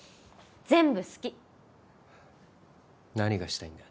全部好き何がしたいんだ？